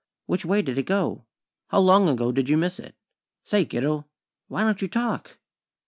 "Which way did it go?" "How long ago did you miss it?" "Say, kiddo!! _Why don't you talk?